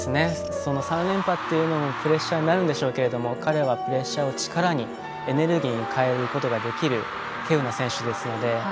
その３連覇というのもプレッシャーになるんでしょうが彼はプレッシャーを力にエネルギーに変えることができるけうな選手ですので。